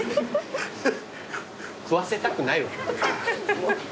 食わせたくないわ。